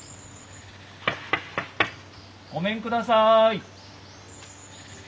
ごめんください。